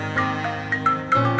dan aku sendiri